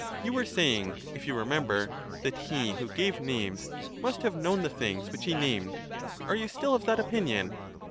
You were saying, if you remember, that he who gave names must have known the things which he named ; are you still of that opinion?